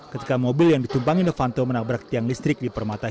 ketika mobil yang ditumpangi novanto menabrak tiang listrik di permata